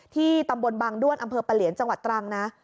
ที่ตำบลบางด้วนอำเภอปะเหลียนจังหวัดตรังนะ